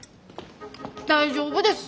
大丈夫です！